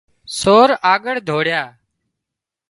سور آڳۯ ڌوڙيا